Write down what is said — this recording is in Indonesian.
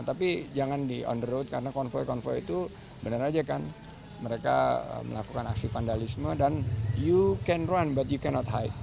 tapi jangan di on the road karena konvoy konvoy itu benar aja kan mereka melakukan aksi vandalisme dan you can run but you cannot high